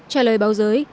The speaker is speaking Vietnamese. trả lời báo giới